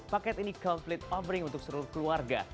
paket ini konflik offering untuk seluruh keluarga